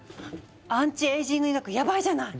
アンチエイジング医学ヤバいじゃない！でしょう？